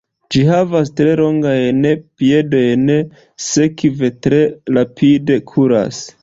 Ĝi havas tre longajn piedojn, sekve tre rapide kuras.